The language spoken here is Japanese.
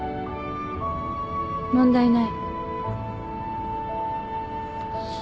問題ない。